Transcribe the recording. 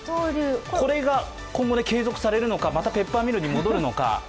これが今後、継続されるのか、またペッパーミルに戻るのか